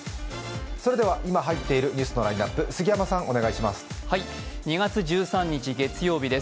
それでは今入っているニュースのラインナップ、杉山さんお願いします。